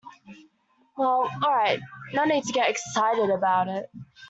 Well, all right, no need to get excited about it.